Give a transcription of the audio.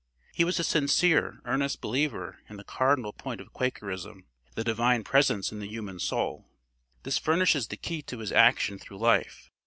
He was a sincere, earnest believer in the cardinal point of Quakerism, the Divine presence in the human soul this furnishes the key to his action through life.